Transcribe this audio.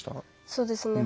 そうですね